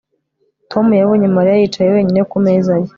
Tom yabonye Mariya yicaye wenyine ku meza ye